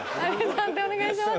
判定お願いします。